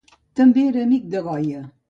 També era amic de Goya.